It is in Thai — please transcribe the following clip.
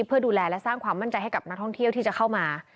เพื่อดูแลและสร้างความมั่นใจให้กับนักท่องเที่ยวที่จะเข้ามา